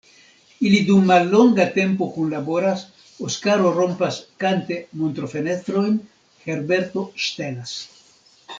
Ili dum mallonga tempo kunlaboras: Oskaro rompas kante montrofenestrojn, Herberto ŝtelas.